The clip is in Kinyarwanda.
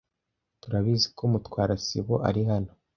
Turabizi ko Mutwara sibo ari hano.